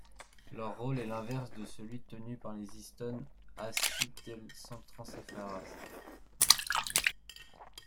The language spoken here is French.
Leur rôle est l'inverse de celui tenu par les histone acétyltransférases.